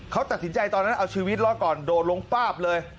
เขาตัดสินใจตอนนั้นเอาชีวิตรอดก่อนโดดลงป๊าบเลย